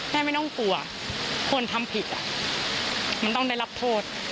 แม่ไม่ต้องกลัวคนทำผิดมันต้องได้รับโทษ